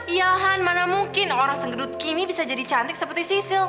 iya han mana mungkin orang senggedut kimi bisa jadi cantik seperti sisil